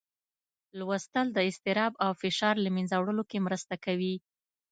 لوستل د اضطراب او فشار له منځه وړلو کې مرسته کوي